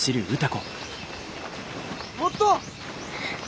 もっと！